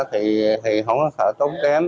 thì không có sợ tốn kém